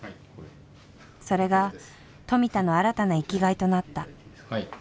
それが富田の新たな生きがいとなった。